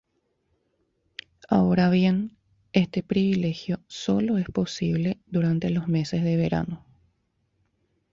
Ahora bien, este privilegio sólo es posible durante los meses de verano.